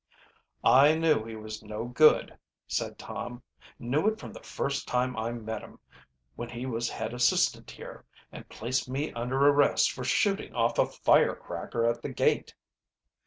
"I knew he was no good," said Tom. "Knew it from the first time I met him, when he was head assistant here, and placed me under arrest for shooting off a fire cracker at the gate."